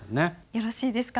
よろしいですか？